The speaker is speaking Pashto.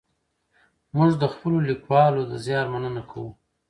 موږ د خپلو لیکوالو د زیار مننه کوو.